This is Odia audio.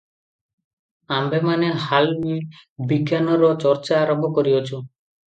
ଆମ୍ଭେମାନେ ହାଲ ବିଜ୍ଞାନର ଚର୍ଚ୍ଚା ଆରମ୍ଭ କରିଅଛୁଁ ।